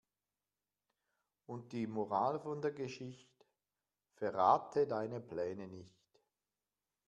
Und die Moral von der Geschicht': Verrate deine Pläne nicht.